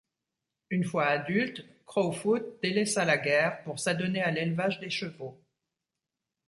Une fois adulte, Crowfoot délaissa la guerre pour s'adonner à l'élevage des chevaux.